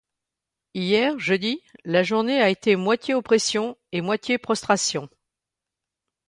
Hier, jeudi, la journée a été moitié oppression et moitié prostration.